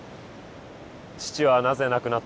父はなぜ亡くなったのか？